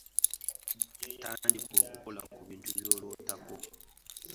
Tandika okukola ku bintu by'olootako.